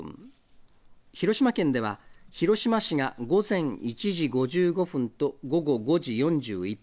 広島県では、広島市が午前１時５５分と午後５時４１分。